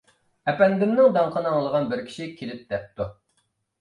ئەپەندىمنىڭ داڭقىنى ئاڭلىغان بىر كىشى كېلىپ دەپتۇ.